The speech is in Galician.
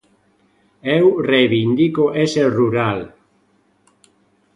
Eu reivindico ese rural.